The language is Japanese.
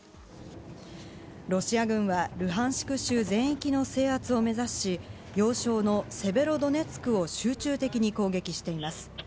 ロシア軍は、ルハンシク州全域の制圧を目指し、要衝のセベロドネツクを集中的に攻撃しています。